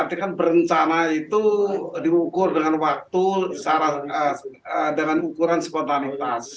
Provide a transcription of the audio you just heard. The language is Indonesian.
berarti kan berencana itu diukur dengan waktu dengan ukuran spontanitas